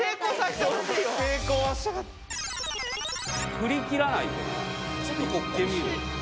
振り切らないとね。